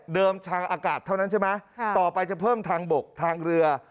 ทางอากาศเท่านั้นใช่ไหมต่อไปจะเพิ่มทางบกทางเรือ